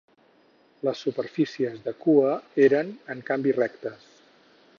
Les superfícies de cua eren, en canvi, rectes.